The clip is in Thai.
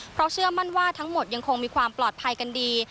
เพราะเชื่อมั่นว่าทั้งหมดยังคงมีความปลอดภัยกันดี